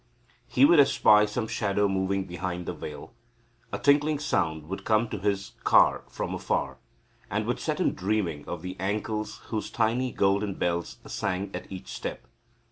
He would espy some shadow moving behind the veil. A tinkling sound would come to his car from afar, and would set him dreaming of the ankles whose tiny golden bells sang at each step.